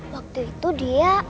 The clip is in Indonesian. waktu itu dia